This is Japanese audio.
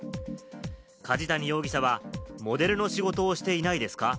梶谷容疑者はモデルの仕事をしていないですか？